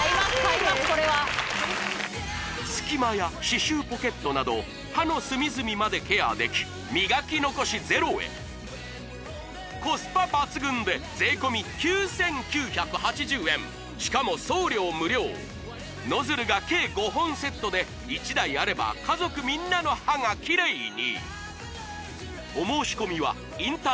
隙間や歯周ポケットなど歯の隅々までケアでき磨き残しゼロへコスパ抜群でノズルが計５本セットで１台あれば家族みんなの歯がキレイに！